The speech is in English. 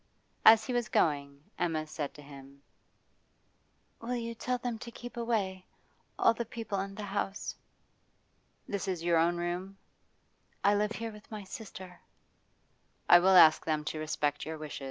As he was going, Emma said to him: 'Will you tell them to keep away all the people in the house?' 'This is your own room?' 'I live here with my sister.' 'I will ask them to respect your wish.